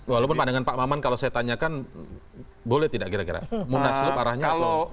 walaupun pandangan pak maman kalau saya tanyakan boleh tidak kira kira munaslup arahnya apa